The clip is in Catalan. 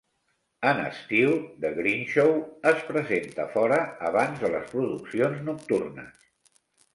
En estiu, "The Greenshow" es presenta fora abans de les produccions nocturnes.